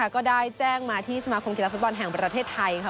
ก็ได้แจ้งมาที่สมาคมกีฬาฟุตบอลแห่งประเทศไทยค่ะ